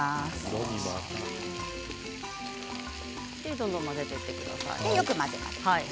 どんどん混ぜていってください。